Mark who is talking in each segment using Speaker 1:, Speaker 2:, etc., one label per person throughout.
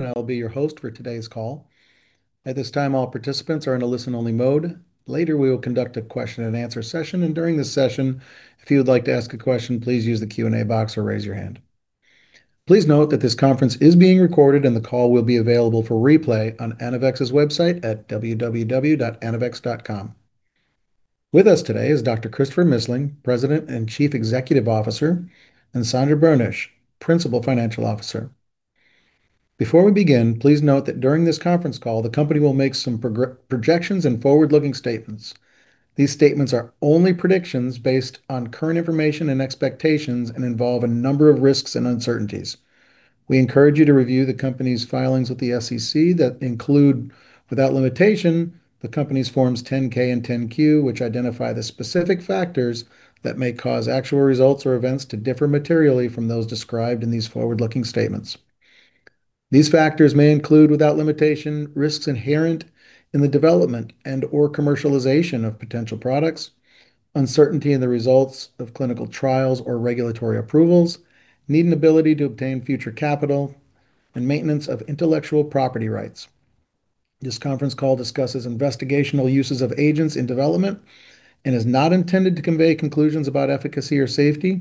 Speaker 1: I'll be your host for today's call. At this time, all participants are in a listen-only mode. Later, we will conduct a question-and-answer session, and during this session, if you would like to ask a question, please use the Q&A box or raise your hand. Please note that this conference is being recorded, and the call will be available for replay on Anavex's website at www.anavex.com. With us today is Dr. Christopher Missling, President and Chief Executive Officer, and Sandra Boenisch, Principal Financial Officer. Before we begin, please note that during this conference call, the company will make some projections and forward-looking statements. These statements are only predictions based on current information and expectations and involve a number of risks and uncertainties. We encourage you to review the company's filings with the SEC that include, without limitation, the company's Forms 10-K and 10-Q, which identify the specific factors that may cause actual results or events to differ materially from those described in these forward-looking statements. These factors may include, without limitation, risks inherent in the development and/or commercialization of potential products, uncertainty in the results of clinical trials or regulatory approvals, need and ability to obtain future capital, and maintenance of intellectual property rights. This conference call discusses investigational uses of agents in development and is not intended to convey conclusions about efficacy or safety,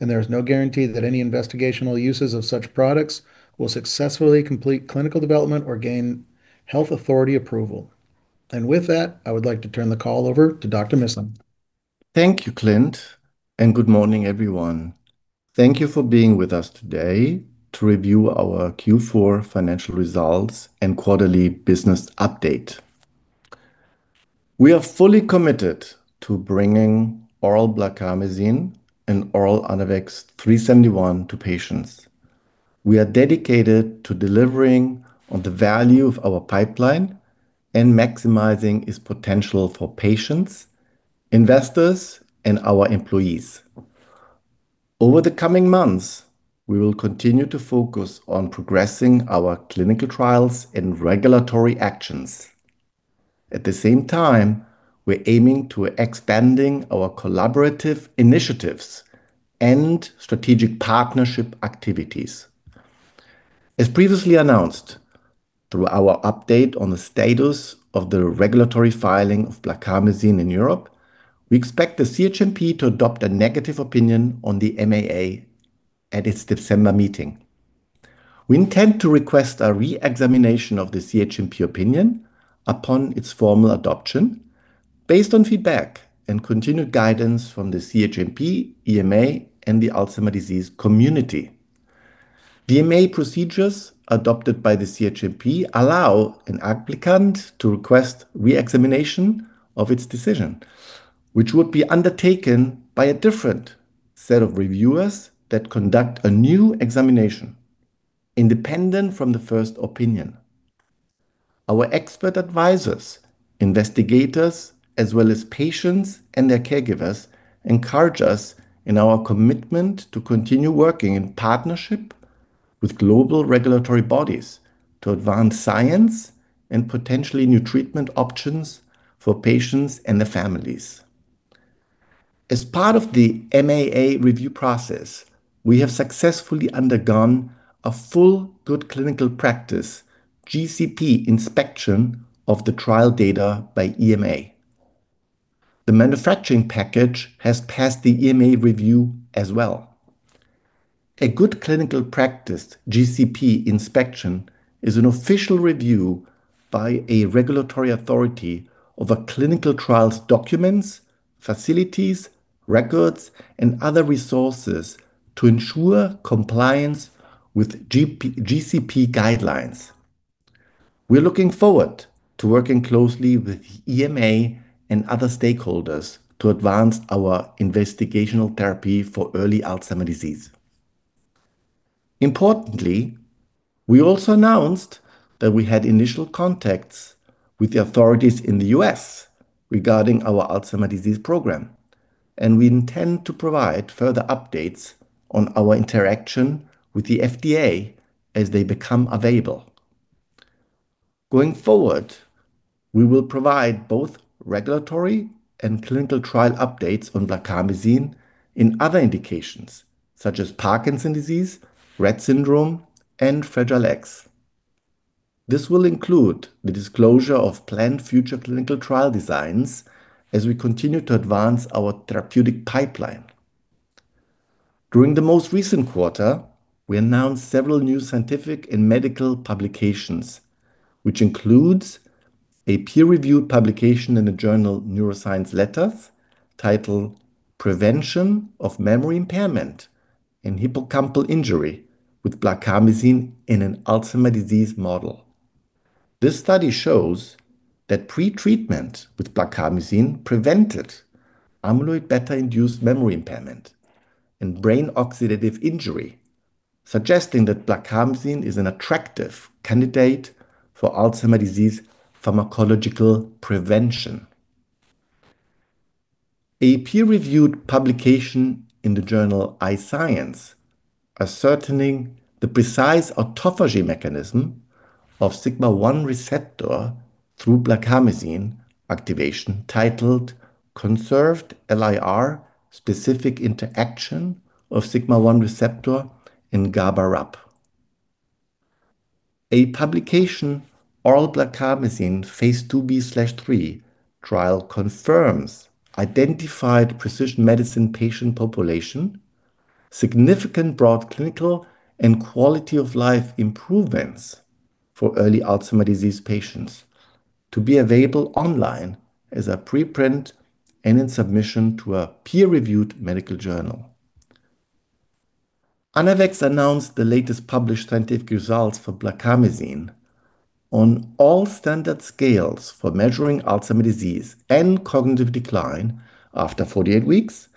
Speaker 1: and there is no guarantee that any investigational uses of such products will successfully complete clinical development or gain health authority approval. With that, I would like to turn the call over to Dr. Missling.
Speaker 2: Thank you, Clint, and good morning, everyone. Thank you for being with us today to review our Q4 financial results and quarterly business update. We are fully committed to bringing oral Blarcamesine and oral ANAVEX3-71 to patients. We are dedicated to delivering on the value of our pipeline and maximizing its potential for patients, investors, and our employees. Over the coming months, we will continue to focus on progressing our clinical trials and regulatory actions. At the same time, we're aiming to expand our collaborative initiatives and strategic partnership activities. As previously announced, through our update on the status of the regulatory filing of Blarcamesine in Europe, we expect the CHMP to adopt a negative opinion on the MAA at its December meeting. We intend to request a re-examination of the CHMP opinion upon its formal adoption based on feedback and continued guidance from the CHMP, EMA, and the Alzheimer's Disease community. The MAA procedures adopted by the CHMP allow an applicant to request re-examination of its decision, which would be undertaken by a different set of reviewers that conduct a new examination independent from the first opinion. Our expert advisors, investigators, as well as patients and their caregivers, encourage us in our commitment to continue working in partnership with global regulatory bodies to advance science and potentially new treatment options for patients and their families. As part of the MAA review process, we have successfully undergone a full Good Clinical Practice GCP inspection of the trial data by EMA. The manufacturing package has passed the EMA review as well. A good clinical practice GCP inspection is an official review by a regulatory authority of clinical trials, documents, facilities, records, and other resources to ensure compliance with GCP guidelines. We're looking forward to working closely with EMA and other stakeholders to advance our investigational therapy for early Alzheimer's disease. Importantly, we also announced that we had initial contacts with the authorities in the U.S. regarding our Alzheimer's disease program, and we intend to provide further updates on our interaction with the FDA as they become available. Going forward, we will provide both regulatory and clinical trial updates on Blarcamesine in other indications such as Parkinson's disease, Rett syndrome, and Fragile X. This will include the disclosure of planned future clinical trial designs as we continue to advance our therapeutic pipeline. During the most recent quarter, we announced several new scientific and medical publications, which includes a peer-reviewed publication in the journal Neuroscience Letters titled "Prevention of Memory Impairment and Hippocampal Injury with Blarcamesine in an Alzheimer's Disease Model." This study shows that pretreatment with Blarcamesine prevented amyloid-beta-induced memory impairment and brain oxidative injury, suggesting that Blarcamesine is an attractive candidate for Alzheimer's disease pharmacological prevention. A peer-reviewed publication in the journal iScience ascertaining the precise autophagy mechanism of sigma-1 receptor through Blarcamesine activation titled "Conserved LIR-specific interaction of Sigma-1 receptor and GABA-RAP." A publication, "Oral Blarcamesine phase 2b/3 trial confirms identified precision medicine patient population, significant broad clinical and quality of life improvements for early Alzheimer's disease patients," to be available online as a preprint and in submission to a peer-reviewed medical journal. Anavex announced the latest published scientific results for Blarcamesine on all standard scales for measuring Alzheimer's disease and cognitive decline after 48 weeks.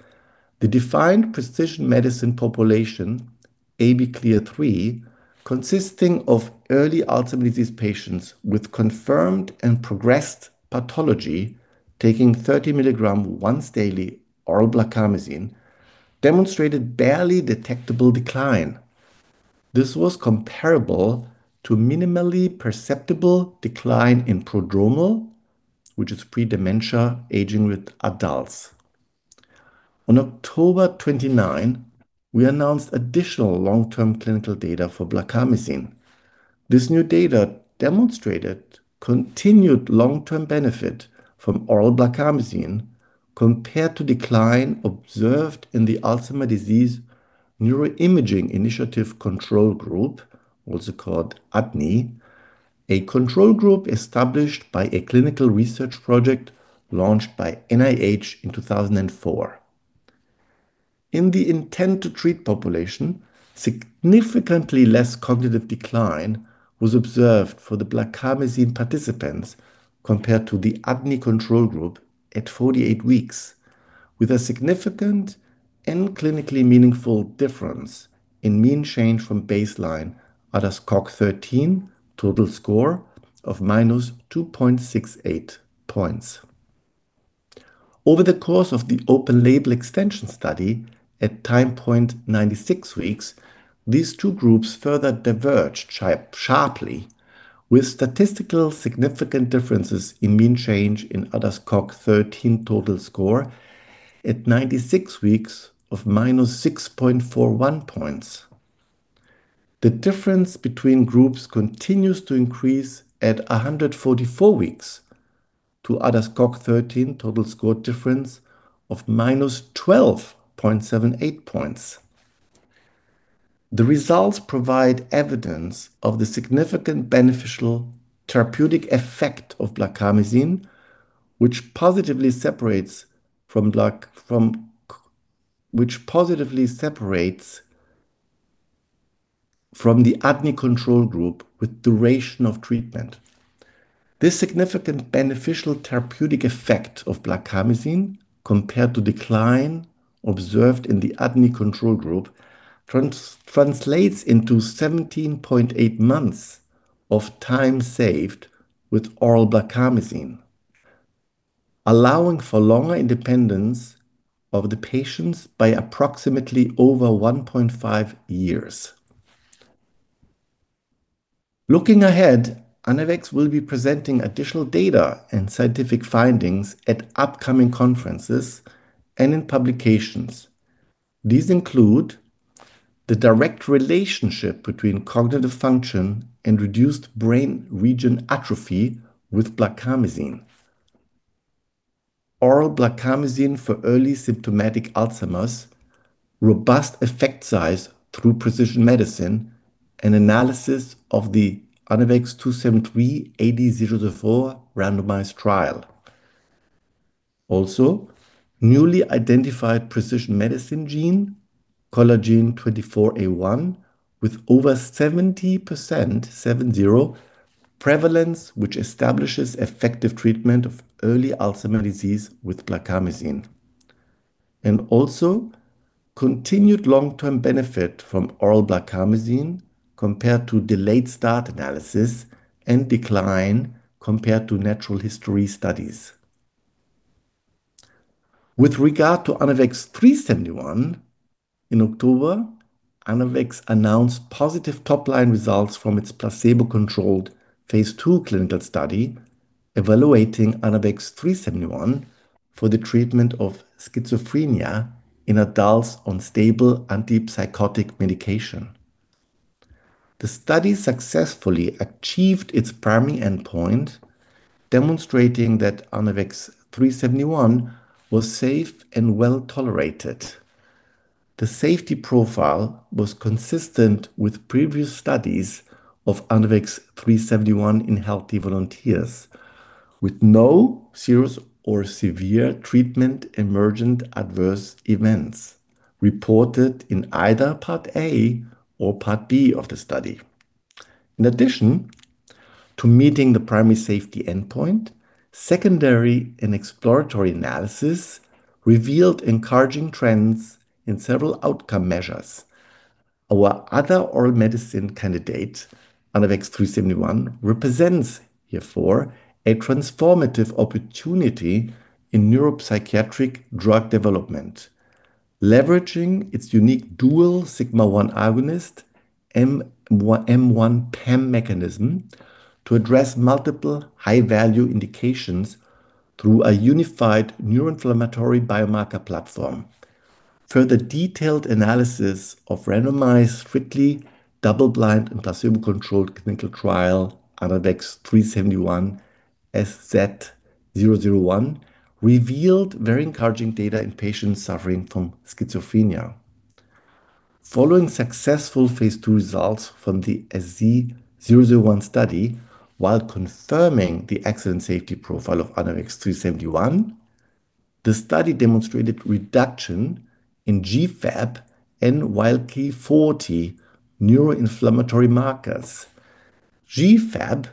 Speaker 2: The defined precision medicine population ABCLEAR3, consisting of early Alzheimer's disease patients with confirmed and progressed pathology taking 30 milligrams once daily oral Blarcamesine, demonstrated barely detectable decline. This was comparable to minimally perceptible decline in prodromal, which is predementia aging with adults. On October 29, we announced additional long-term clinical data for Blarcamesine. This new data demonstrated continued long-term benefit from oral Blarcamesine compared to decline observed in the Alzheimer's Disease Neuroimaging Initiative control group, also called ADNI, a control group established by a clinical research project launched by NIH in 2004. In the intended treat population, significantly less cognitive decline was observed for the Blarcamesine participants compared to the ADNI control group at 48 weeks, with a significant and clinically meaningful difference in mean change from baseline, ADAS-Cog13 total score of minus 2.68 points. Over the course of the open-label extension study at time point 96 weeks, these two groups further diverged sharply, with statistically significant differences in mean change in ADAS-Cog13 total score at 96 weeks of minus 6.41 points. The difference between groups continues to increase at 144 weeks to ADAS-Cog13 total score difference of minus 12.78 points. The results provide evidence of the significant beneficial therapeutic effect of Blarcamesine, which positively separates from the ADNI control group with duration of treatment. This significant beneficial therapeutic effect of Blarcamesine compared to decline observed in the ADNI control group translates into 17.8 months of time saved with oral Blarcamesine, allowing for longer independence of the patients by approximately over 1.5 years. Looking ahead, Anavex will be presenting additional data and scientific findings at upcoming conferences and in publications. These include the direct relationship between cognitive function and reduced brain region atrophy with Blarcamesine, oral Blarcamesine for early symptomatic Alzheimer's, robust effect size through precision medicine, and analysis of the ANAVEX2-73 AD004 randomized trial. Also, newly identified precision medicine gene, Collagen 24A1, with over 70% prevalence, which establishes effective treatment of early Alzheimer's disease with Blarcamesine, and also continued long-term benefit from oral Blarcamesine compared to delayed start analysis and decline compared to natural history studies. With regard to ANAVEX3-71, in October, Anavex announced positive top-line results from its placebo-controlled phase II clinical study evaluating ANAVEX3-71 for the treatment of schizophrenia in adults on stable antipsychotic medication. The study successfully achieved its primary endpoint, demonstrating that ANAVEX3-71 was safe and well-tolerated. The safety profile was consistent with previous studies of ANAVEX3-71 in healthy volunteers, with no serious or severe treatment-emergent adverse events reported in either part A or part B of the study. In addition to meeting the primary safety endpoint, secondary and exploratory analysis revealed encouraging trends in several outcome measures. Our other oral medicine candidate, ANAVEX3-71, represents herefore a transformative opportunity in neuropsychiatric drug development, leveraging its unique dual sigma-1 agonist M1-PAM mechanism to address multiple high-value indications through a unified neuroinflammatory biomarker platform. Further detailed analysis of randomized, strictly double-blind and placebo-controlled clinical trial ANAVEX3-71 SZ001 revealed very encouraging data in patients suffering from schizophrenia. Following successful phase II results from the SZ001 study, while confirming the excellent safety profile of ANAVEX3-71, the study demonstrated reduction in GFAP and YKL-40 neuroinflammatory markers. GFAP,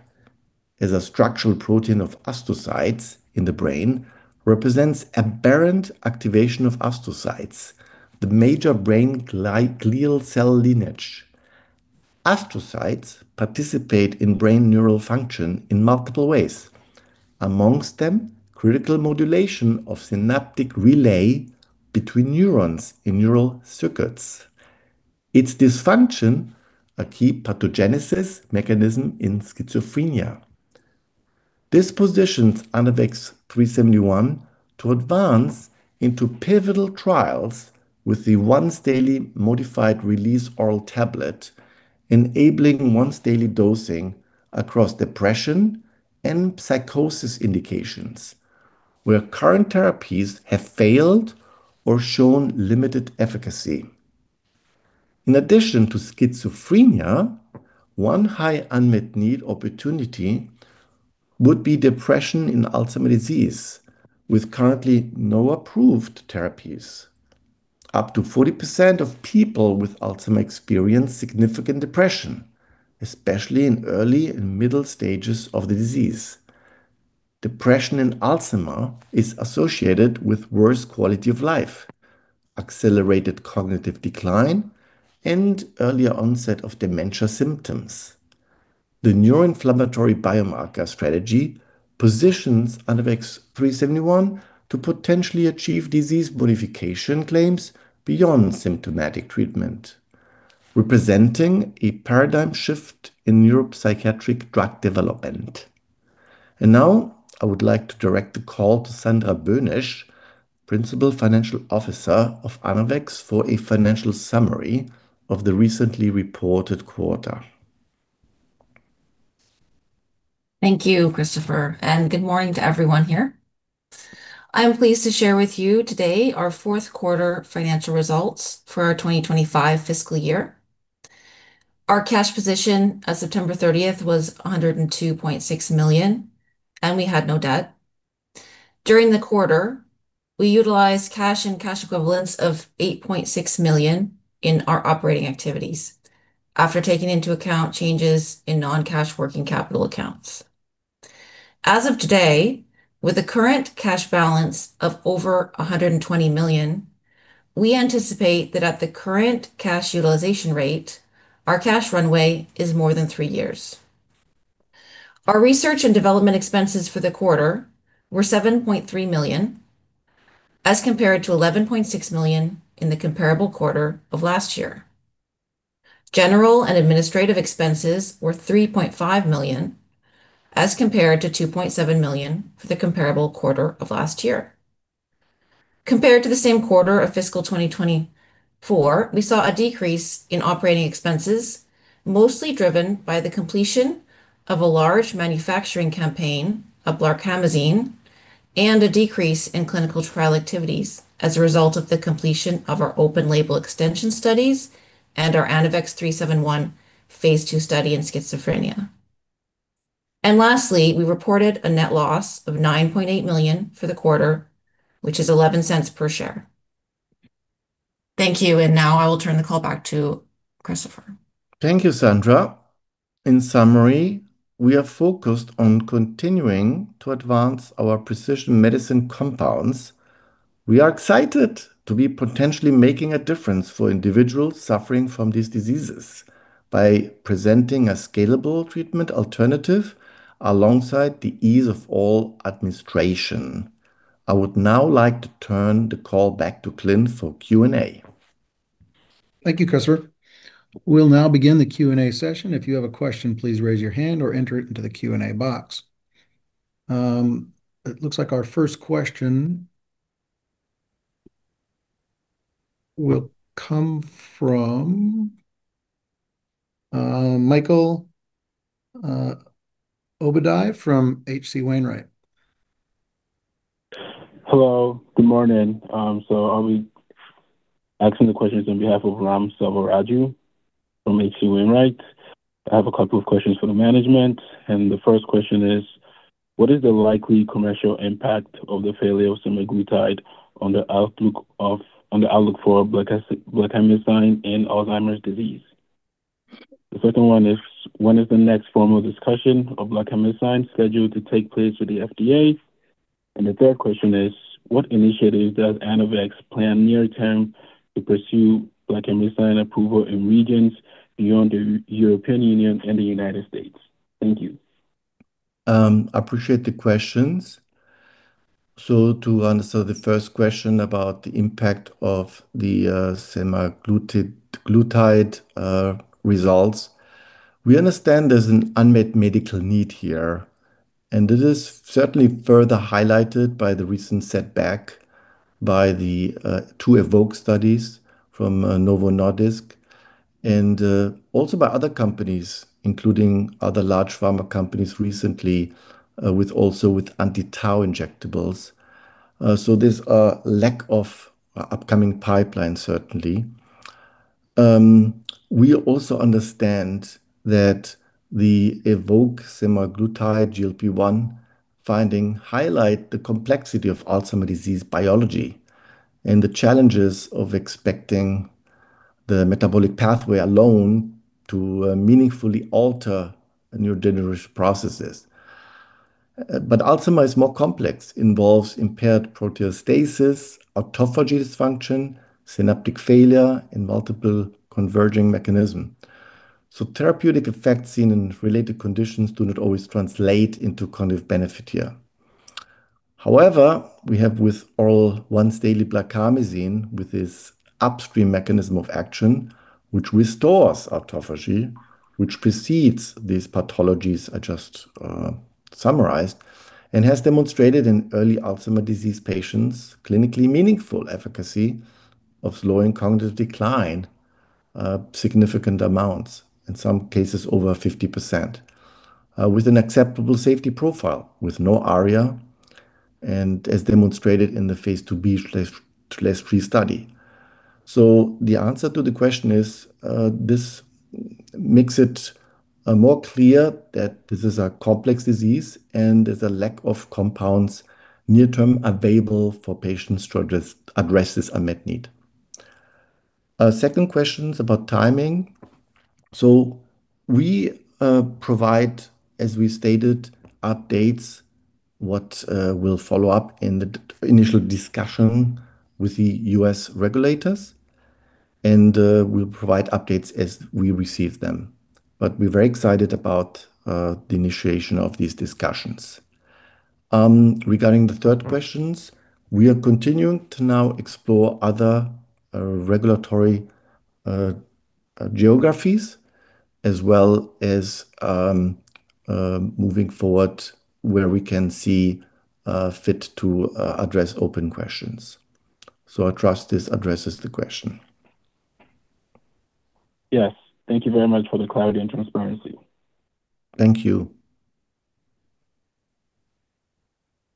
Speaker 2: as a structural protein of astrocytes in the brain, represents aberrant activation of astrocytes, the major brain glial cell lineage. Astrocytes participate in brain neural function in multiple ways, amongst them critical modulation of synaptic relay between neurons in neural circuits. Its dysfunction is a key pathogenesis mechanism in schizophrenia. This positions ANAVEX3-71 to advance into pivotal trials with the once-daily modified release oral tablet, enabling once-daily dosing across depression and psychosis indications, where current therapies have failed or shown limited efficacy. In addition to schizophrenia, one high unmet need opportunity would be depression in Alzheimer's disease, with currently no approved therapies. Up to 40% of people with Alzheimer's experience significant depression, especially in early and middle stages of the disease. Depression in Alzheimer's is associated with worse quality of life, accelerated cognitive decline, and earlier onset of dementia symptoms. The neuroinflammatory biomarker strategy positions ANAVEX3-71 to potentially achieve disease modification claims beyond symptomatic treatment, representing a paradigm shift in neuropsychiatric drug development. I would like to direct the call to Sandra Boenisch, Principal Financial Officer of Anavex for a financial summary of the recently reported quarter.
Speaker 3: Thank you, Christopher, and good morning to everyone here. I'm pleased to share with you today our fourth quarter financial results for our 2025 fiscal year. Our cash position as of September 30th was $102.6 million, and we had no debt. During the quarter, we utilized cash and cash equivalents of $8.6 million in our operating activities after taking into account changes in non-cash working capital accounts. As of today, with the current cash balance of over $120 million, we anticipate that at the current cash utilization rate, our cash runway is more than three years. Our research and development expenses for the quarter were $7.3 million as compared to $11.6 million in the comparable quarter of last year. General and administrative expenses were $3.5 million as compared to $2.7 million for the comparable quarter of last year. Compared to the same quarter of fiscal 2024, we saw a decrease in operating expenses, mostly driven by the completion of a large manufacturing campaign of Blarcamesine and a decrease in clinical trial activities as a result of the completion of our open-label extension studies and our ANAVEX3-71 phase II study in schizophrenia. Lastly, we reported a net loss of $9.8 million for the quarter, which is $0.11 per share. Thank you. I will now turn the call back to Christopher.
Speaker 2: Thank you, Sandra. In summary, we are focused on continuing to advance our precision medicine compounds. We are excited to be potentially making a difference for individuals suffering from these diseases by presenting a scalable treatment alternative alongside the ease of oral administration. I would now like to turn the call back to Clint for Q&A.
Speaker 1: Thank you, Christopher. We will now begin the Q&A session. If you have a question, please raise your hand or enter it into the Q&A box. It looks like our first question will come from Michael Obadiah from HC Wainwright. Hello. Good morning. I'll be asking the questions on behalf of Ram Selvaraju from H.C. Wainwright. I have a couple of questions for the management. The first question is, what is the likely commercial impact of the failure of semaglutide on the outlook for Blarcamesine in Alzheimer's disease? The second one is, when is the next formal discussion of Blarcamesine scheduled to take place with the FDA? The third question is, what initiative does Anavex plan near-term to pursue Blarcamesine approval in regions beyond the European Union and the United States? Thank you.
Speaker 2: I appreciate the questions. To answer the first question about the impact of the semaglutide results, we understand there's an unmet medical need here, and this is certainly further highlighted by the recent setback by the two Evoke studies from Novo Nordisk and also by other companies, including other large pharma companies recently, also with anti-Tau injectables. There's a lack of upcoming pipelines, certainly. We also understand that the Evoke semaglutide GLP-1 finding highlights the complexity of Alzheimer's disease biology and the challenges of expecting the metabolic pathway alone to meaningfully alter neurodegenerative processes. Alzheimer's is more complex, involves impaired proteostasis, autophagy dysfunction, synaptic failure, and multiple converging mechanisms. Therapeutic effects seen in related conditions do not always translate into cognitive benefit here. However, we have with oral once-daily Blarcamesine, with this upstream mechanism of action, which restores autophagy, which precedes these pathologies I just summarized, and has demonstrated in early Alzheimer's disease patients clinically meaningful efficacy of slowing cognitive decline in significant amounts, in some cases over 50%, with an acceptable safety profile, with no ARIA, and as demonstrated in the phase 2b/3 study. The answer to the question is, this makes it more clear that this is a complex disease and there's a lack of compounds near-term available for patients to address this unmet need. The second question is about timing. We provide, as we stated, updates that will follow up in the initial discussion with the U.S. regulators, and we'll provide updates as we receive them. We are very excited about the initiation of these discussions. Regarding the third questions, we are continuing to now explore other regulatory geographies as well as moving forward where we can see fit to address open questions. I trust this addresses the question. Yes. Thank you very much for the clarity and transparency. Thank you.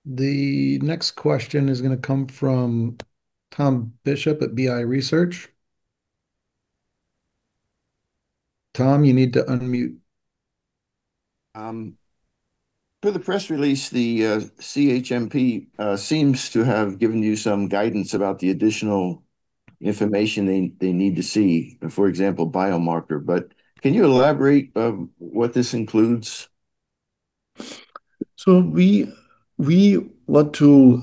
Speaker 1: The next question is going to come from Tom Bishop at BI Research. Tom, you need to unmute.
Speaker 4: For the press release, the CHMP seems to have given you some guidance about the additional information they need to see, for example, biomarker. Can you elaborate what this includes?
Speaker 2: We want to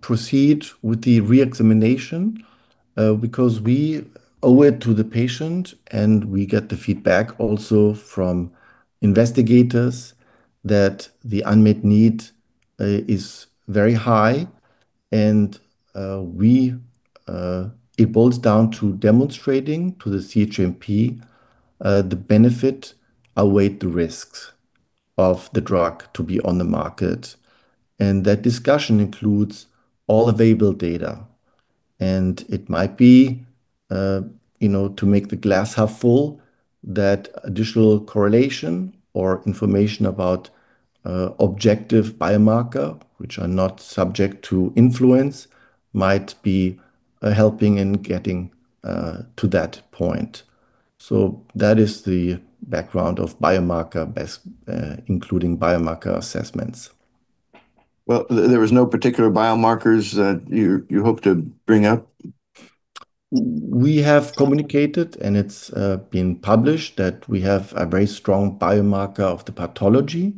Speaker 2: proceed with the re-examination because we owe it to the patient, and we get the feedback also from investigators that the unmet need is very high, and it boils down to demonstrating to the CHMP the benefit outweighs the risks of the drug to be on the market. That discussion includes all available data. It might be to make the glass half full that additional correlation or information about objective biomarkers, which are not subject to influence, might be helping in getting to that point. That is the background of biomarker best, including biomarker assessments. There were no particular biomarkers that you hope to bring up? We have communicated, and it has been published that we have a very strong biomarker of the pathology,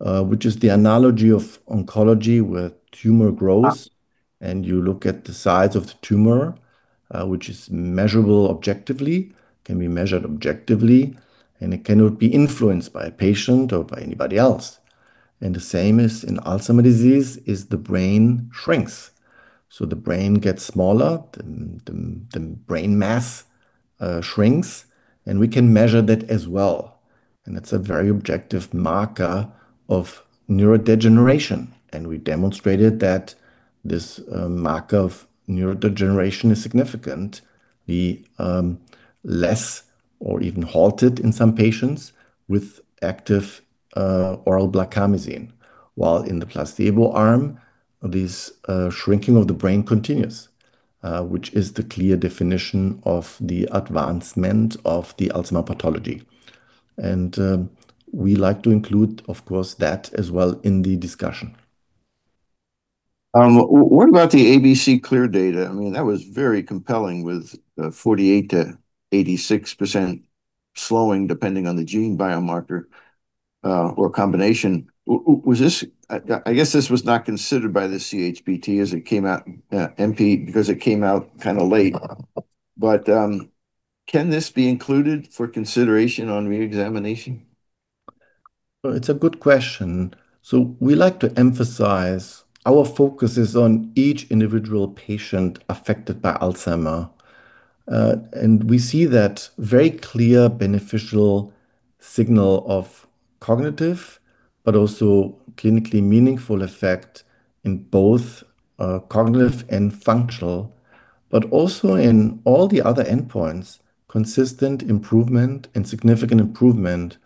Speaker 2: which is the analogy of oncology with tumor growth. You look at the size of the tumor, which is measurable objectively, can be measured objectively, and it cannot be influenced by a patient or by anybody else. The same is in Alzheimer's disease: the brain shrinks. The brain gets smaller, the brain mass shrinks, and we can measure that as well. It is a very objective marker of neurodegeneration. We demonstrated that this marker of neurodegeneration is significant. The less or even halted in some patients with active oral Blarcamesine, while in the placebo arm, this shrinking of the brain continues, which is the clear definition of the advancement of the Alzheimer's pathology. We like to include, of course, that as well in the discussion.
Speaker 4: What about the ABCLEAR data? I mean, that was very compelling, with 48%-86% slowing depending on the gene biomarker or combination. I guess this was not considered by the CHMP, as it came out because it came out kind of late. Can this be included for consideration on re-examination?
Speaker 2: It is a good question. We like to emphasize our focus is on each individual patient affected by Alzheimer's. We see that very clear beneficial signal of cognitive, but also clinically meaningful effect in both cognitive and functional, but also in all the other endpoints, consistent improvement and significant improvement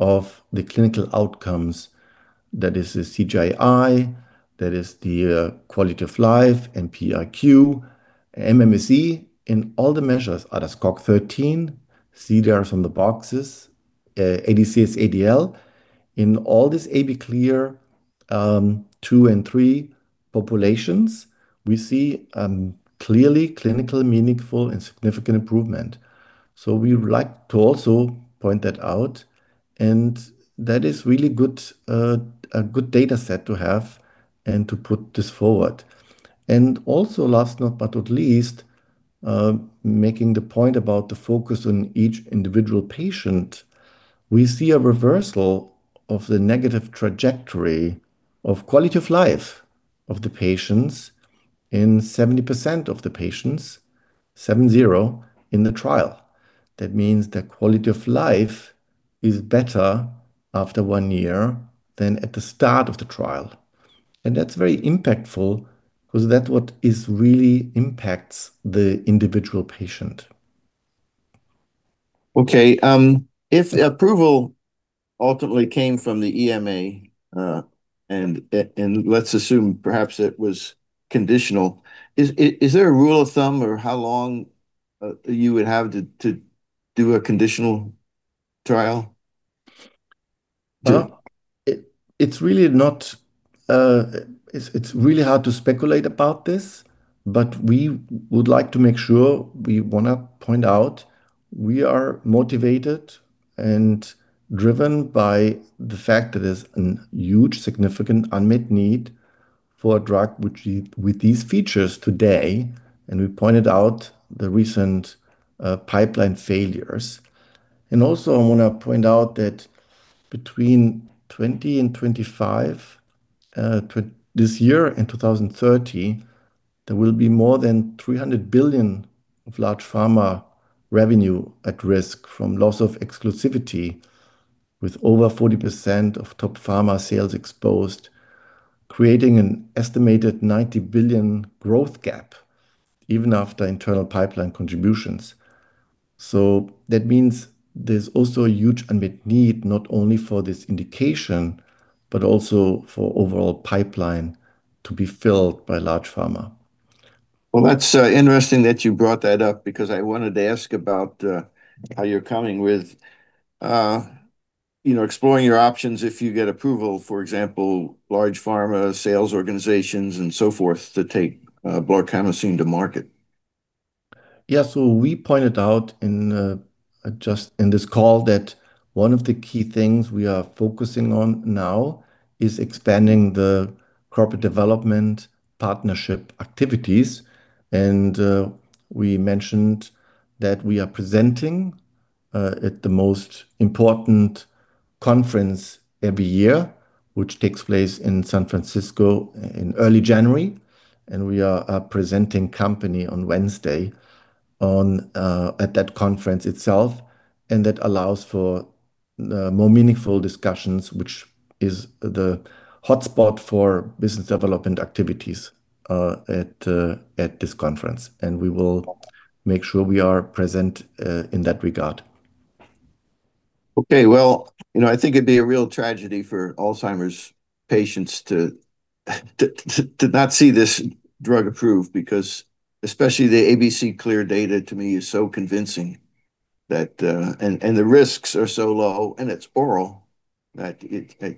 Speaker 2: of the clinical outcomes. That is the CGI, that is the quality of life, and PIQ, MMSE, and all the measures out of ADAS-Cog13, CDR-Sum of Boxes, ADCS-ADL. In all these ABCLEAR 2 and 3 populations, we see clearly clinical meaningful and significant improvement. We would like to also point that out. That is really a good data set to have and to put this forward. Last but not least, making the point about the focus on each individual patient, we see a reversal of the negative trajectory of quality of life of the patients in 70% of the patients, 70% in the trial. That means the quality of life is better after one year than at the start of the trial. That is very impactful because that is what really impacts the individual patient.
Speaker 4: Okay. If approval ultimately came from the EMA, and let's assume perhaps it was conditional, is there a rule of thumb or how long you would have to do a conditional trial?
Speaker 2: It is really not—it is really hard to speculate about this, but we would like to make sure we want to point out we are motivated and driven by the fact that there is a huge, significant unmet need for a drug with these features today. We pointed out the recent pipeline failures. I want to point out that between 2020 and 2025, this year and 2030, there will be more than $300 billion of large pharma revenue at risk from loss of exclusivity, with over 40% of top pharma sales exposed, creating an estimated $90 billion growth gap even after internal pipeline contributions. That means there's also a huge unmet need not only for this indication, but also for overall pipeline to be filled by large pharma.
Speaker 4: That's interesting that you brought that up because I wanted to ask about how you're coming with exploring your options if you get approval, for example, large pharma sales organizations and so forth to take Blarcamesine to market.
Speaker 2: Yeah. We pointed out in this call that one of the key things we are focusing on now is expanding the corporate development partnership activities. We mentioned that we are presenting at the most important conference every year, which takes place in San Francisco, in early January. We are presenting company on Wednesday at that conference itself. That allows for more meaningful discussions, which is the hotspot for business development activities at this conference. We will make sure we are present in that regard.
Speaker 4: I think it'd be a real tragedy for Alzheimer's patients to not see this drug approved because especially the ABCLEAR data to me is so convincing that the risks are so low and it's oral, that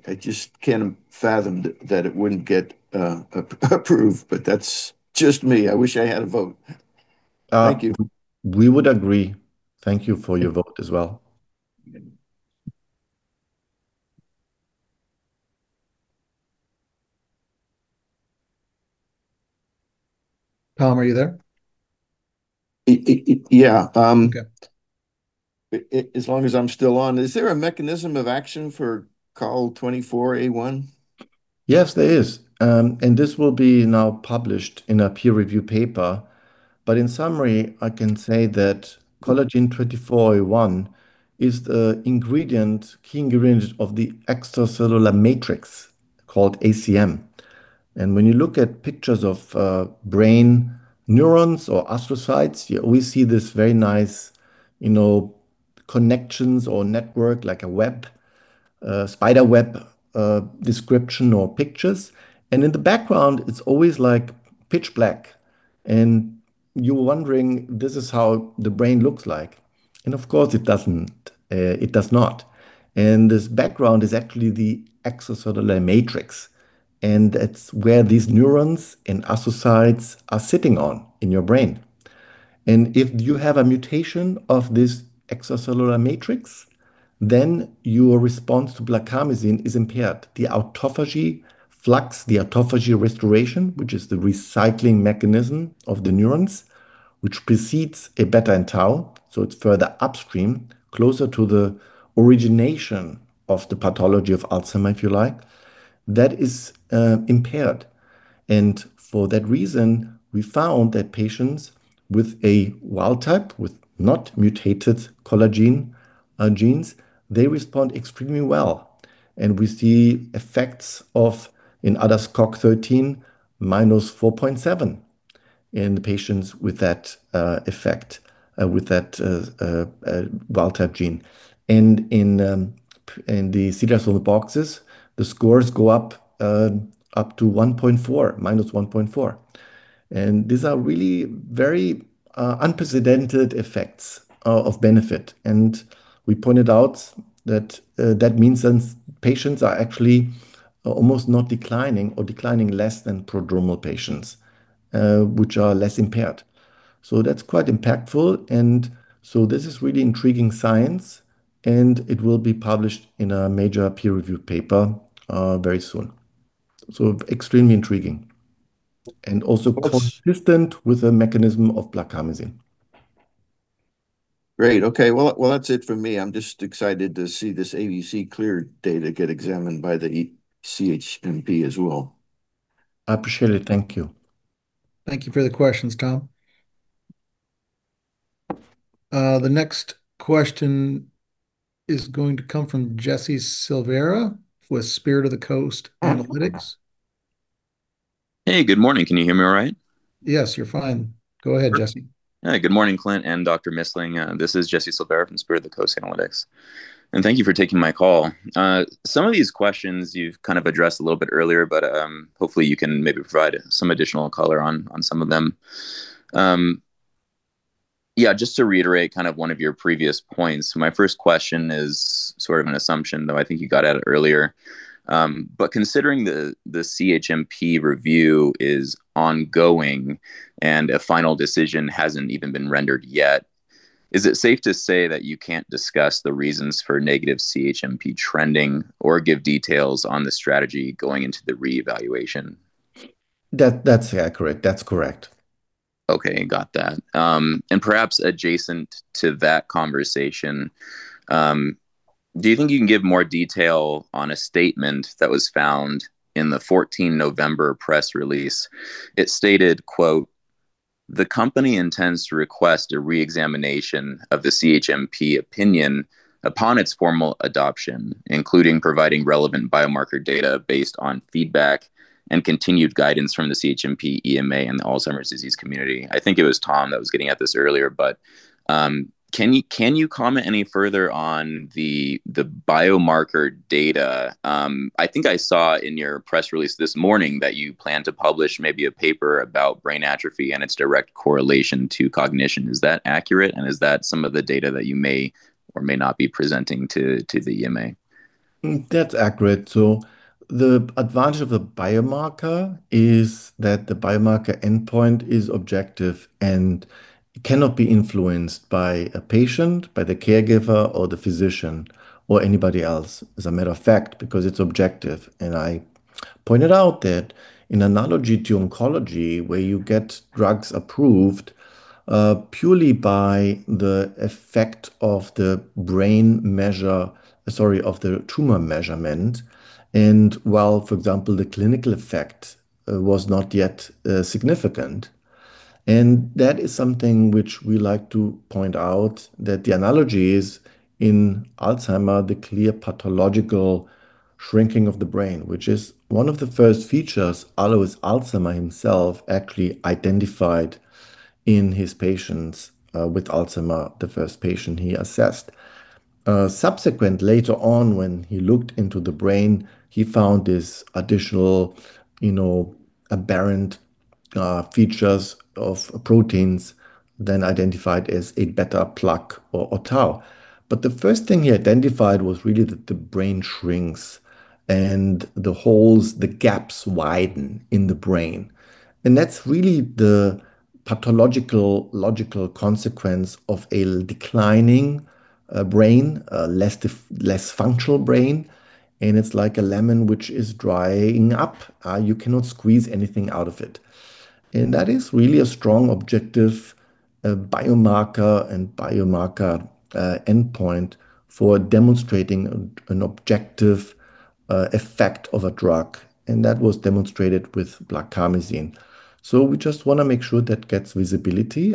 Speaker 4: I just can't fathom that it wouldn't get approved. That's just me. I wish I had a vote.
Speaker 2: Thank you. We would agree. Thank you for your vote as well. Tom, are you there?
Speaker 4: Yeah. As long as I'm still on, is there a mechanism of action for Collagen 24A1?
Speaker 2: Yes, there is. This will be now published in a peer-reviewed paper. In summary, I can say that Collagen 24A1 is the key ingredient of the extracellular matrix called ACM. When you look at pictures of brain neurons or astrocytes, you always see these very nice connections or network, like a web, spider web description or pictures. In the background, it's always like pitch black. You're wondering, this is how the brain looks like. It does not. This background is actually the extracellular matrix. That's where these neurons and astrocytes are sitting on in your brain. If you have a mutation of this extracellular matrix, then your response to Blarcamesine is impaired. The autophagy flux, the autophagy restoration, which is the recycling mechanism of the neurons, which precedes a beta and tau. It is further upstream, closer to the origination of the pathology of Alzheimer's, if you like, that is impaired. For that reason, we found that patients with a wild type, with not-mutated collagen genes, they respond extremely well. We see effects in other ADAS-Cog13, minus 4.7 in the patients with that effect, with that wild-type gene. In the CDR-Sum of Boxes, the scores go up to 1.4, minus 1.4. These are really very unprecedented effects of benefit. We pointed out that that means that patients are actually almost not declining or declining less than prodromal patients, which are less impaired. That is quite impactful. This is really intriguing science. It will be published in a major peer-reviewed paper very soon. Extremely intriguing. Also consistent with the mechanism of Blarcamesine.
Speaker 4: Great. Okay. That is it for me. I am just excited to see this ABCLEAR data get examined by the CHMP as well.
Speaker 2: I appreciate it. Thank you.
Speaker 1: Thank you for the questions, Tom. The next question is going to come from Jesse Silvera with Spirit of the Coast Analytics.
Speaker 5: Hey, good morning. Can you hear me all right?
Speaker 1: Yes, you are fine. Go ahead, Jesse.
Speaker 5: Hey, good morning, Clint and Dr. Missling. This is Jesse Silvera from Spirit of the Coast Analytics. Thank you for taking my call. Some of these questions you have kind of addressed a little bit earlier, but hopefully, you can maybe provide some additional color on some of them. Yeah, just to reiterate, kind of one of your previous points. My first question is sort of an assumption, though I think you got at it earlier. Considering the CHMP review is ongoing and a final decision hasn't even been rendered yet, is it safe to say that you can't discuss the reasons for negative CHMP trending or give details on the strategy going into the re-evaluation?
Speaker 2: That's accurate. That's correct.
Speaker 5: Okay. Got that. Perhaps adjacent to that conversation, do you think you can give more detail on a statement that was found in the 14th November press release? It stated, "The company intends to request a re-examination of the CHMP opinion upon its formal adoption, including providing relevant biomarker data based on feedback and continued guidance from the CHMP, EMA, and the Alzheimer's disease community." I think it was Tom that was getting at this earlier, but can you comment any further on the biomarker data? I think I saw in your press release this morning that you plan to publish maybe a paper about brain atrophy and its direct correlation to cognition. Is that accurate? Is that some of the data that you may or may not be presenting to the EMA?
Speaker 2: That's accurate. The advantage of the biomarker is that the biomarker endpoint is objective and cannot be influenced by a patient, by the caregiver, or the physician, or anybody else, as a matter of fact, because it's objective. I pointed out that in analogy to oncology, where you get drugs approved purely by the effect of the brain measure, sorry, of the tumor measurement, while, for example, the clinical effect was not yet significant. That is something which we like to point out, that the analogy is in Alzheimer, the clear pathological shrinking of the brain, which is one of the first features Alois Alzheimer himself actually identified in his patients with Alzheimer, the first patient he assessed. Subsequently later on, when he looked into the brain, he found this additional aberrant features of proteins then identified as a beta plaque or tau. The first thing he identified was really that the brain shrinks and the holes, the gaps, widen in the brain. That is really the pathological logical consequence of a declining brain, a less functional brain. It is like a lemon which is drying up. You cannot squeeze anything out of it. That is really a strong objective biomarker and biomarker endpoint for demonstrating an objective effect of a drug. That was demonstrated with Blarcamesine. We just want to make sure that gets visibility.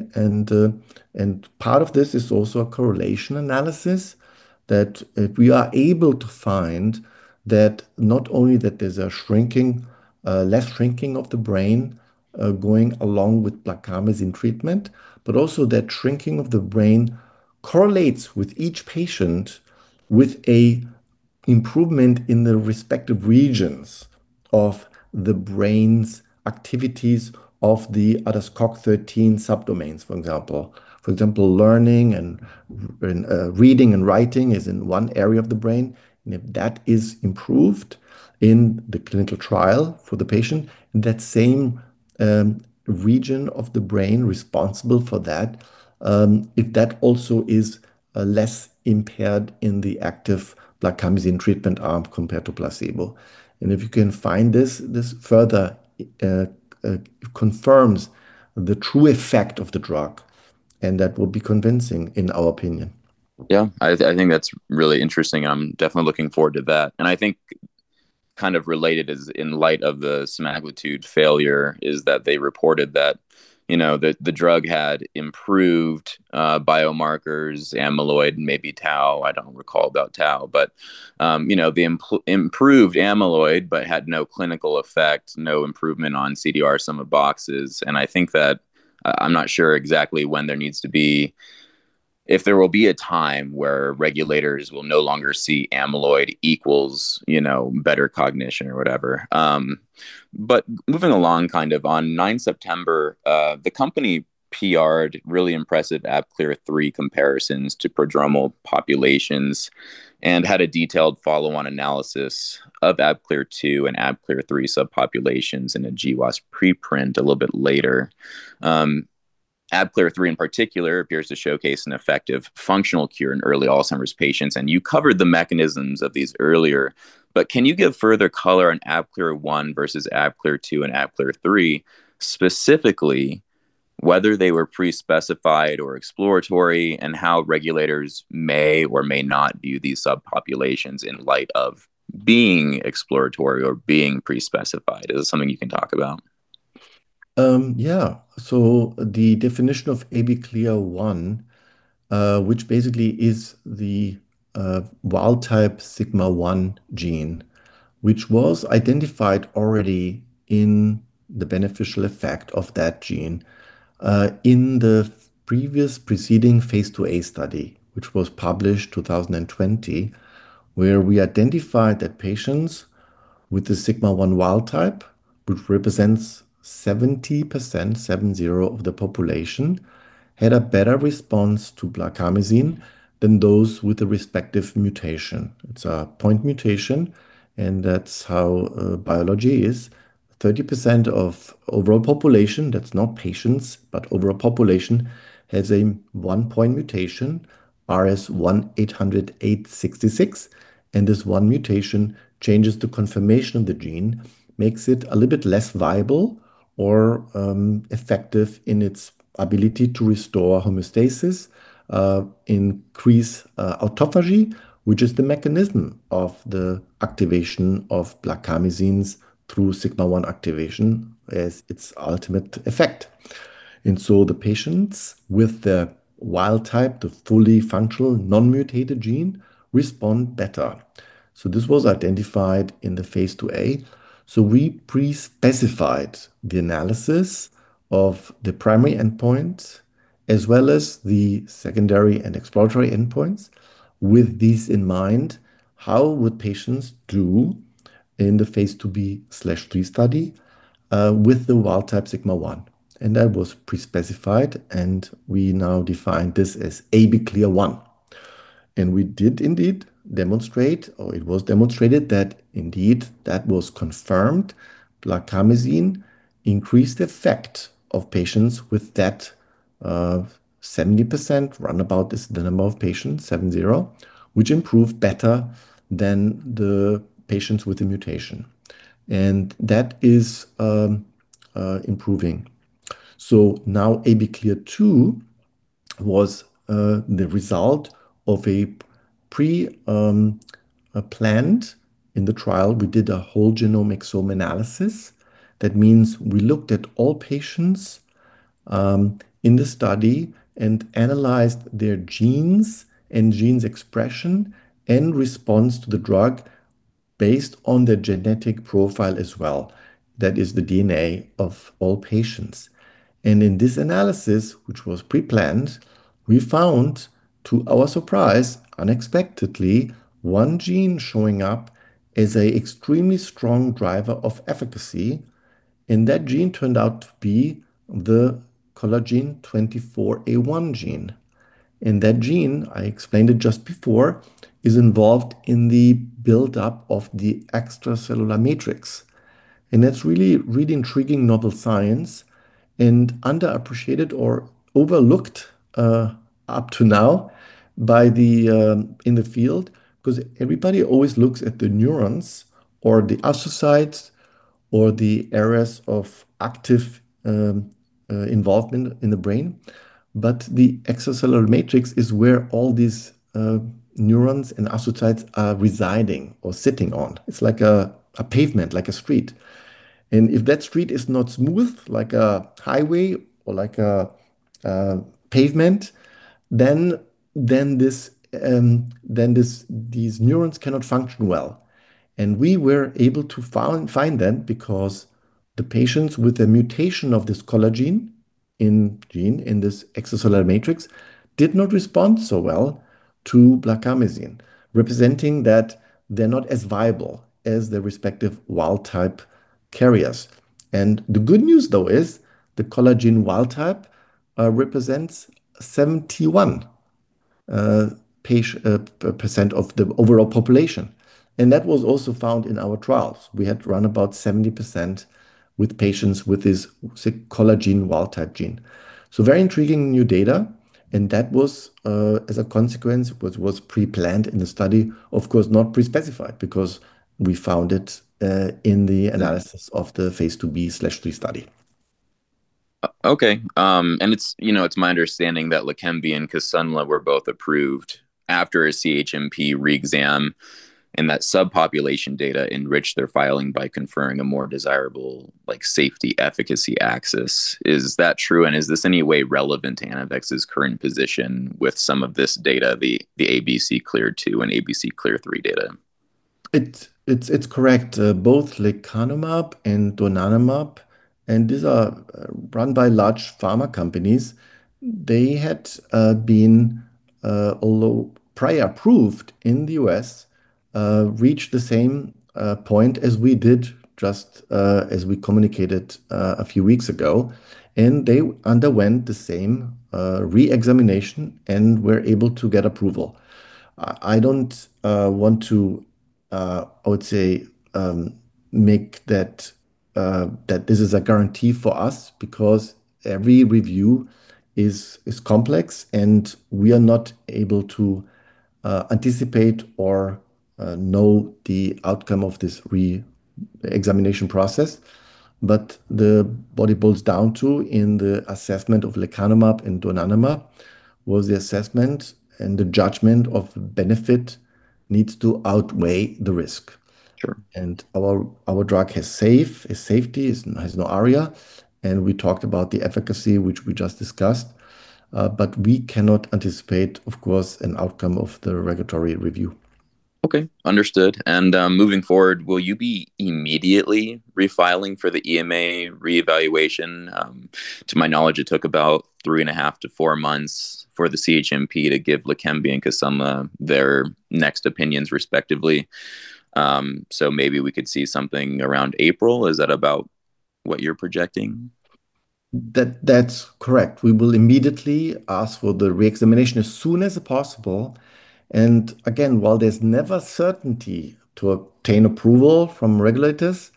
Speaker 2: Part of this is also a correlation analysis that we are able to find that not only that there's less shrinking of the brain going along with Blarcamesine treatment, but also that shrinking of the brain correlates with each patient with an improvement in the respective regions of the brain's activities of the other ADAS-Cog13 subdomains, for example. For example, learning and reading, and writing is in one area of the brain. If that is improved in the clinical trial for the patient, that same region of the brain responsible for that, if that also is less impaired in the active Blarcamesine treatment arm compared to placebo. If you can find this, this further confirms the true effect of the drug. That will be convincing in our opinion.
Speaker 5: Yeah. I think that's really interesting. I'm definitely looking forward to that. I think kind of related is in light of the semaglutide acute failure, is that they reported that the drug had improved biomarkers, amyloid, maybe tau. I don't recall about tau, but they improved amyloid, but had no clinical effect, no improvement on CDR-Sum of Boxes. I think that I'm not sure exactly when there needs to be, if there will be a time where regulators will no longer see amyloid equals better cognition or whatever. Moving along, kind of on 9th September, the company PR'd really impressive ABCLEAR3 comparisons to prodromal populations and had a detailed follow-on analysis of ABCLEAR2 and ABCLEAR3 subpopulations in a GWAS preprint a little bit later. ABCLEAR3 in particular appears to showcase an effective functional cure in early Alzheimer's patients. You covered the mechanisms of these earlier, but can you give further color on ABCLEAR1 versus ABCLEAR2 and ABCLEAR3, specifically whether they were pre-specified or exploratory, and how regulators may or may not view these subpopulations in light of being exploratory or being pre-specified? Is that something you can talk about?
Speaker 2: Yeah. The definition of ABCLEAR1, which basically is the wild type sigma-1 gene, was identified already in the beneficial effect of that gene in the previous preceding phase 2a study, which was published in 2020, where we identified that patients with the sigma-1 wild type, which represents 70% of the population, had a better response to Blarcamesine than those with the respective mutation. It's a point mutation. That's how biology is. 30% of the overall population, that's not patients, but overall population, has a one-point mutation, RS180866. This one mutation changes the conformation of the gene, makes it a little bit less viable or effective in its ability to restore homeostasis, increase autophagy, which is the mechanism of the activation of Blarcamesine through Sigma-1 activation as its ultimate effect. The patients with the wild type, the fully functional non-mutated gene, respond better. This was identified in the phase 2a. We pre-specified the analysis of the primary endpoints as well as the secondary and exploratory endpoints. With these in mind, how would patients do in the phase 2b/3 study with the wild-type Sigma-1? That was pre-specified, and we now define this as ABCLEA-1. We did indeed demonstrate, or it was demonstrated that indeed that was confirmed, Blarcamesine increased the effect of patients with that 70% runabout is the number of patients, 70, which improved better than the patients with the mutation. That is improving. ABCLEAR2 was the result of a pre-planned in the trial. We did a whole-genome exome analysis. That means we looked at all patients in the study and analyzed their genes and gene expression, and response to the drug based on their genetic profile as well. That is the DNA of all patients. In this analysis, which was pre-planned, we found, to our surprise, unexpectedly, one gene showing up as an extremely strong driver of efficacy. That gene turned out to be the Collagen 24A1 gene. That gene, I explained it just before, is involved in the buildup of the extracellular matrix. That is really, really intriguing novel science and underappreciated or overlooked up to now in the field because everybody always looks at the neurons or the astrocytes or the areas of active involvement in the brain. The extracellular matrix is where all these neurons and astrocytes are residing or sitting on. It is like a pavement, like a street. If that street is not smooth, like a highway or like a pavement, then these neurons cannot function well. We were able to find them because the patients with a mutation of this collagen gene in this extracellular matrix did not respond so well to Blarcamesine, representing that they are not as viable as their respective wild type carriers. The good news, though, is the collagen wild type represents 71% of the overall population. That was also found in our trials. We had run about 70% with patients with this collagen wild-type gene. Very intriguing new data. That was, as a consequence, pre-planned in the study, of course, not pre-specified, because we found it in the analysis of the phase 2b/3 study.
Speaker 5: Okay. It's my understanding that Leqembi and Kisunla were both approved after a CHMP re-exam and that subpopulation data enriched their filing by conferring a more desirable safety efficacy axis. Is that true? Is this any way relevant to Anavex's current position with some of this data, the ABCLEAR2 and ABCLEAR3 data?
Speaker 2: It's correct. Both Lecanemab and Donanemab, and these are run by large pharma companies. They had been, although prior approved in the U.S., reached the same point as we did just as we communicated a few weeks ago. They underwent the same re-examination and were able to get approval. I do not want to, I would say, make that this is a guarantee for us because every review is complex and we are not able to anticipate or know the outcome of this re-examination process. The body boils down to in the assessment of Lecanemab and Donanemab was the assessment and the judgment of benefit needs to outweigh the risk. Our drug has safety, has no area. We talked about the efficacy, which we just discussed. We cannot anticipate, of course, an outcome of the regulatory review.
Speaker 5: Okay. Understood. Moving forward, will you be immediately refilling for the EMA re-evaluation? To my knowledge, it took about three and a half to four months for the CHMP to give Leqembi and Kisunla their next opinions, respectively. Maybe we could see something around April. Is that about what you're projecting?
Speaker 2: That's correct. We will immediately ask for the re-examination as soon as possible. Again, while there's never certainty to obtain approval from regulators,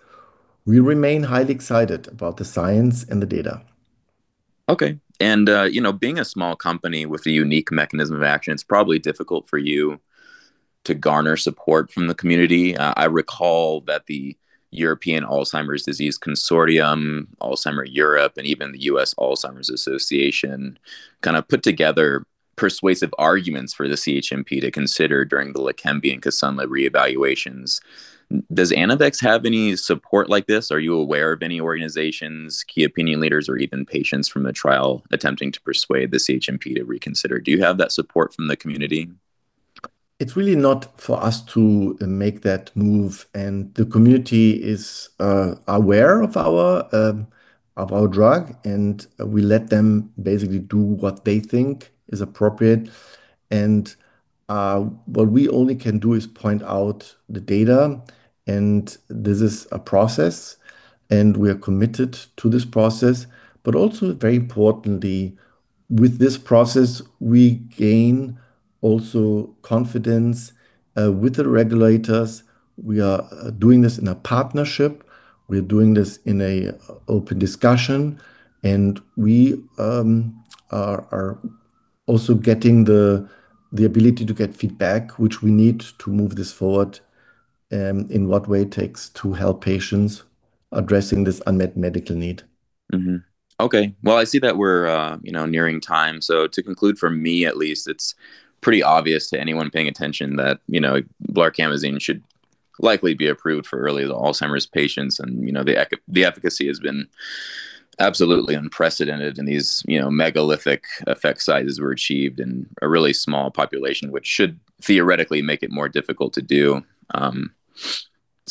Speaker 2: we remain highly excited about the science and the data.
Speaker 5: Okay. Being a small company with a unique mechanism of action, it's probably difficult for you to garner support from the community. I recall that the European Alzheimer's Disease Consortium, Alzheimer Europe, and even the US Alzheimer's Association kind of put together persuasive arguments for the CHMP to consider during the Leqembi and Kisunla re-evaluations. Does Anavex have any support like this? Are you aware of any organizations, key opinion leaders, or even patients from the trial attempting to persuade the CHMP to reconsider? Do you have that support from the community?
Speaker 2: It is really not for us to make that move. The community is aware of our drug, and we let them basically do what they think is appropriate. What we only can do is point out the data. This is a process, and we are committed to this process. Also, very importantly, with this process, we gain confidence with the regulators. We are doing this in a partnership. We are doing this in an open discussion. We are also getting the ability to get feedback, which we need to move this forward in what way it takes to help patients addressing this unmet medical need.
Speaker 5: Okay. I see that we are nearing time. To conclude, for me at least, it's pretty obvious to anyone paying attention that Blarcamesine should likely be approved for early Alzheimer's patients. The efficacy has been absolutely unprecedented, and these megalithic effect sizes were achieved in a really small population, which should theoretically make it more difficult to do.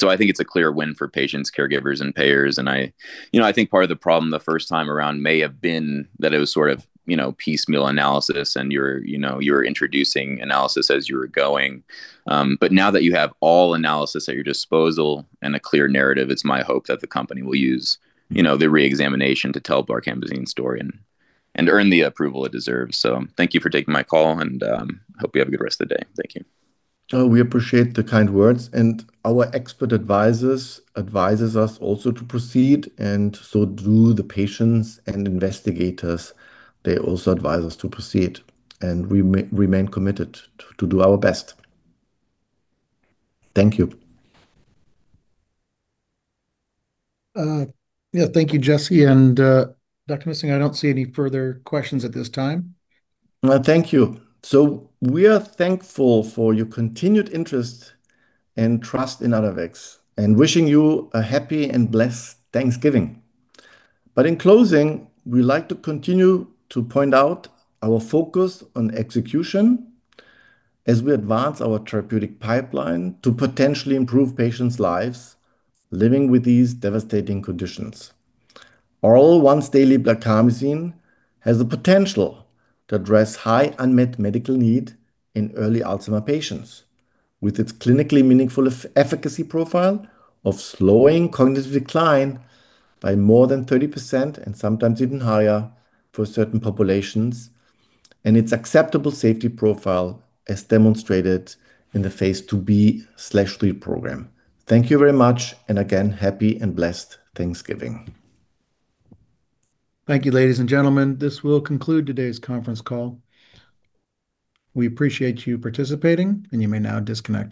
Speaker 5: I think it's a clear win for patients, caregivers, and payers. I think part of the problem the first time around may have been that it was sort of piecemeal analysis, and you were introducing analysis as you were going. Now that you have all analysis at your disposal and a clear narrative, it's my hope that the company will use the re-examination to tell Blarcamesine's story and earn the approval it deserves. Thank you for taking my call, and I hope you have a good rest of the day. Thank you.
Speaker 2: We appreciate the kind words. Our expert advisors advise us also to proceed. The patients and investigators also advise us to proceed and remain committed to do our best. Thank you.
Speaker 1: Yeah. Thank you, Jesse. Dr. Missling, I don't see any further questions at this time.
Speaker 2: Thank you. We are thankful for your continued interest and trust in Anavex and wishing you a happy and blessed Thanksgiving. In closing, we'd like to continue to point out our focus on execution as we advance our therapeutic pipeline to potentially improve patients' lives living with these devastating conditions. Oral once-daily Blarcamesine has the potential to address high unmet medical need in early Alzheimer patients with its clinically meaningful efficacy profile of slowing cognitive decline by more than 30% and sometimes even higher for certain populations. It's acceptable safety profile as demonstrated in the phase 2b/3 program. Thank you very much. Again, happy and blessed Thanksgiving.
Speaker 1: Thank you, ladies and gentlemen. This will conclude today's conference call. We appreciate you participating, and you may now disconnect.